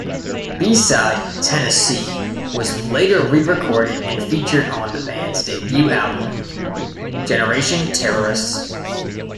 B-side "Tennessee" was later re-recorded and featured on the band's debut album "Generation Terrorists".